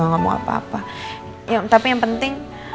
masa lo udah di jalan pulang